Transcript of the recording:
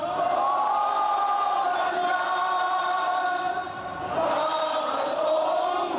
ซึ่งกิจกรรมเริ่มจากการรวมจุดเทียน